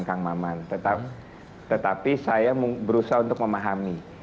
kang maman tetapi saya berusaha untuk memahami